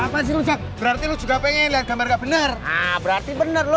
lihat lihat lihat berarti lu juga pengen lihat gambar nggak bener berarti bener lu